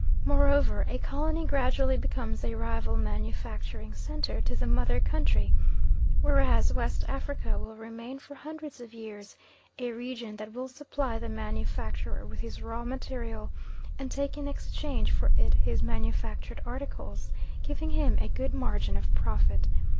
Moreover, a colony gradually becomes a rival manufacturing centre to the mother country, whereas West Africa will remain for hundreds of years a region that will supply the manufacturer with his raw material, and take in exchange for it his manufactured articles, giving him a good margin of profit.